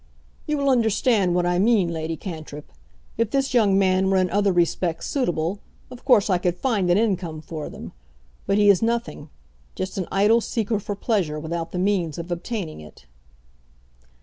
"You will understand what I mean, Lady Cantrip. If this young man were in other respects suitable, of course I could find an income for them. But he is nothing; just an idle seeker for pleasure without the means of obtaining it."